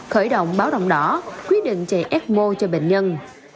khởi động báo động đỏ quyết định chạy ecmo cho bệnh nhân